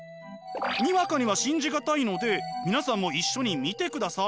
にわかには信じ難いので皆さんも一緒に見てください。